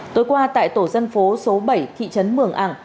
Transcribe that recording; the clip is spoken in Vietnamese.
tối qua tại tổ dân phố số bảy thị trấn mường ảng